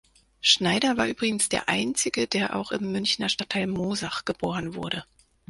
Schneider war übrigens der Einzige, der auch im Münchner Stadtteil Moosach geboren wurde.